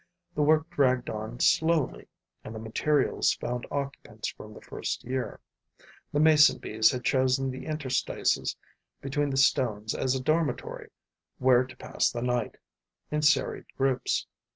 The work dragged on slowly; and the materials found occupants from the first year. The mason bees had chosen the interstices between the stones as a dormitory where to pass the night, in serried groups.